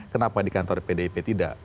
kenapa di kantor pdip tidak